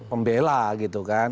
pembela gitu kan